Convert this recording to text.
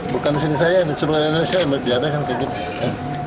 bukan di sini saya di seluruh indonesia di ada kan kegiatan